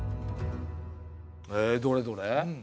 へえどれどれ？